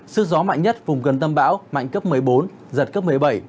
sức gió mạnh nhất vùng gần tâm bão mạnh cấp một mươi bốn giật cấp một mươi bảy